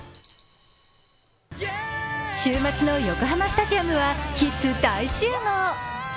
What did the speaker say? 週末の横浜スタジアムはキッズ大集合。